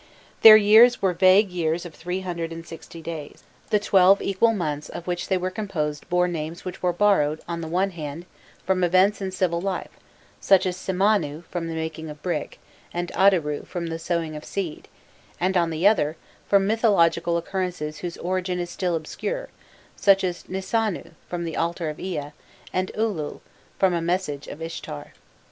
Their years were vague years of three hundred and sixty days. The twelve equal months of which they were composed bore names which were borrowed, on the one hand, from events in civil life, such as "Simanu," from the making of brick, and "Addaru," from the sowing of seed, and, on the other, from mythological occurrences whose origin is still obscure, such as "Nisanu," from the altar of Ea, and "Elul," from a message of Ishtar.